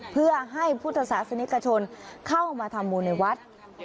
เพื่อให้พุทธศาสนิกชนเข้ามาทำบุญในวัด